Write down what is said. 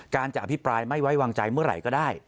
การจะอภิปรายไม่ไว้วางใจเมื่อไหร่ก็ได้